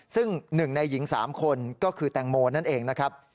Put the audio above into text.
ซึ่ง๑ในหญิง๓คนก็คือแตงโมนั่นเองนะครับ